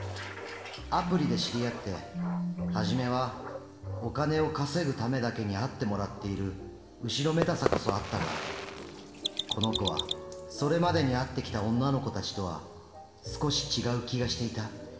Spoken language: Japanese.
アプリで知り合って初めはお金を稼ぐためだけに会ってもらっている後ろめたさこそあったがこの子はそれまでに会ってきた女の子たちとは少し違う気がしていた。